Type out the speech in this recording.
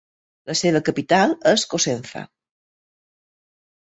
La seva capital és Cosenza.